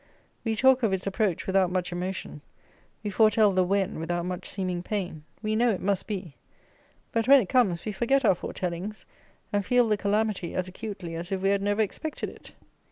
We talk of its approach without much emotion. We foretell the when without much seeming pain. We know it must be. But, when it comes, we forget our foretellings, and feel the calamity as acutely as if we had never expected it.